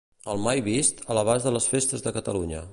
El "mai vist" a l'abast de les festes de Catalunya.